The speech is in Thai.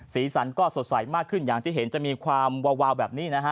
สีสันก็สดใสมากขึ้นอย่างที่เห็นจะมีความวาวแบบนี้นะฮะ